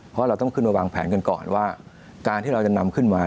เพราะเราต้องขึ้นมาวางแผนกันก่อนว่าการที่เราจะนำขึ้นมา